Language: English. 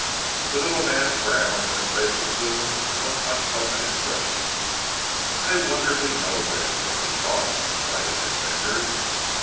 The little man frowned, and his face assumed a most unpleasant expression. "I wonder if he knows anything?" he thought biting his fingers.